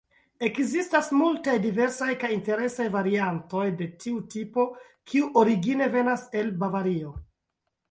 Ekzistas multaj diversaj kaj interesaj variantoj de tiu tipo, kiu origine venas el Bavario.